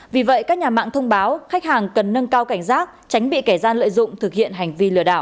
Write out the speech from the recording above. vì vậy các nhà mạng thông báo khách hàng cần nâng cao cảnh giác tránh bị kẻ gian lợi dụng thực hiện hành vi lừa đảo